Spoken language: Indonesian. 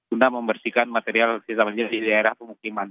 untuk membersihkan material di daerah pemukiman